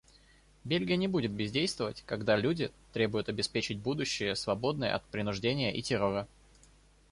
Бельгия не будет бездействовать, когда люди требуют обеспечить будущее, свободное от принуждения и террора.